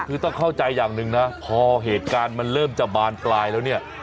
คือต้องเข้าใจอย่างหนึ่งนะพอเหตุการณ์มันเริ่มจะบานปลายแล้วเนี่ย